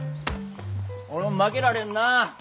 俺も負けられんな。